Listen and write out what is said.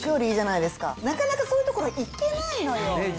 なかなかそういう所行けないのよ。